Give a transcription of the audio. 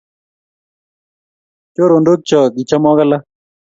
Chorondok Cho kichomok alak